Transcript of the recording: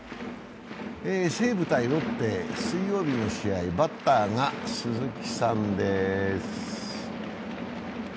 西武×ロッテ、水曜日の試合、バッターが鈴木さんです。